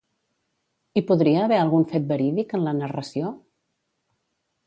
Hi podria haver algun fet verídic en la narració?